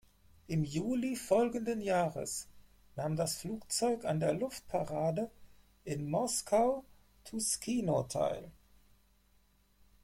Im Juli folgenden Jahres nahm das Flugzeug an der Luftparade in Moskau-Tuschino teil.